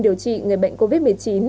điều trị người bệnh covid một mươi chín